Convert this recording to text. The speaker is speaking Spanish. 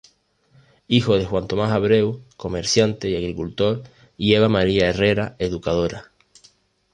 Hijo de Juan Tomás Abreu, comerciante y agricultor y Eva María Herrera, educadora.